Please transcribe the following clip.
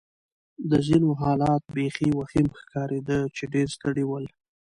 د ځینو حالت بېخي وخیم ښکارېده چې ډېر ستړي ول.